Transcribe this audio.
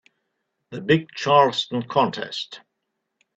The big Charleston contest.